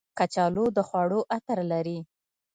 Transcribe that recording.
کچالو د خوړو عطر لري